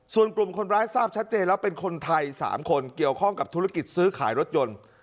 ส่วนกลุ่มคนร้ายทราบชัดเจนแล้วเป็นคนไทย๓คนเกี่ยวข้องกับธุรกิจซื้อขายรถยนต์